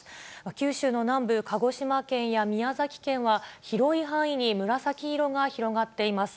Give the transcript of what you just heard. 九州の南部、鹿児島県や宮崎県は広い範囲に紫色が広がっています。